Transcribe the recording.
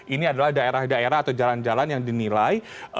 ini adalah daerah daerah atau jalan jalan yang dinilai